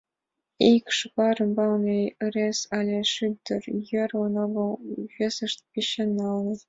Ик шӱгар ӱмбалне ырес але шӱдыр йӧрлын огыл гын, весыштым печенат налыныт.